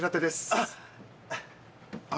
あっ。